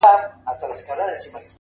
پر مخ وريځ’